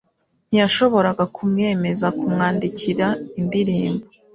Ntiyashoboraga kumwemeza kumwandikira indirimbo